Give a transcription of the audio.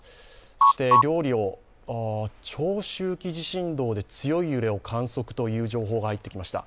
そして長周期地震動で強い揺れを観測という情報が入ってきました。